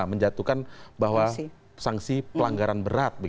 menjatuhkan bahwa sanksi pelanggaran berat